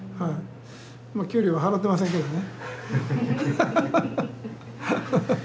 まあ給料は払ってませんけどね。